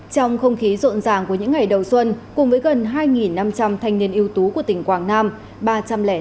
trong không khí rộn ràng của những ngày đầu xuân cùng với gần hai năm trăm linh thanh niên ưu tú của tỉnh quảng nam